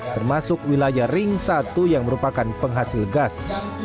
termasuk wilayah ring satu yang merupakan penghasil gas